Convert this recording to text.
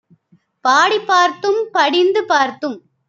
பாடிப் பார்த்தும் படிந்து பார்த்தும்